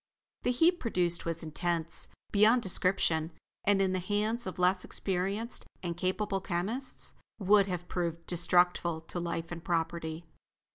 The heat produced was intense beyond description, and in the hands of less experienced and capable chemists, would have proved destructful to life and property.